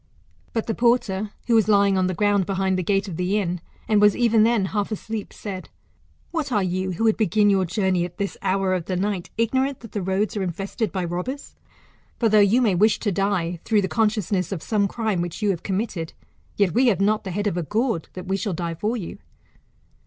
But the porter, who was lying on the ground behind the gate of the inn, and was even then half asleep, said. What are you, who would begin your journey at this hour of the night, ignorant that the roads are infested by robbers? For, though you may wish to die, through the consciousness of some crime which you have committed, yet we have not the head of*a gounl, that \ye shall die for you.